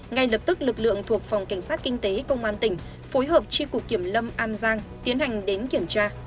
ngay lập tức lực lượng thuộc phòng cảnh sát kinh tế công an tỉnh phối hợp tri cục kiểm lâm an giang tiến hành đến kiểm tra